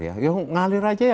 ya ngalir saja ya